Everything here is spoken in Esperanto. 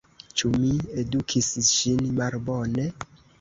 Ĉu mi edukis ŝin malbone?